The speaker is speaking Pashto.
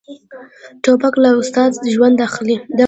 توپک له استاد ژوند اخلي.